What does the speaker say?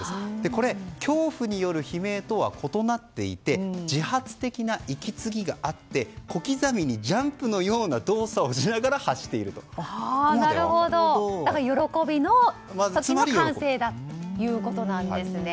これ、恐怖による悲鳴とは異なっていて自発的な息継ぎがあって小刻みにジャンプのような喜びの歓声だということですね。